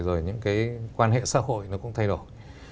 rồi những cái quan hệ xã hội nó cũng thay đổi